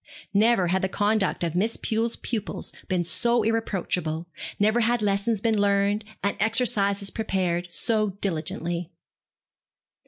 Never had the conduct of Miss Pew's pupils been so irreproachable, never had lessons been learned, and exercises prepared, so diligently.